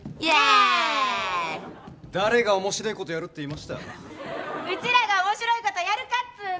誰が面白いことやるってうちらが面白いことやるかっつーの。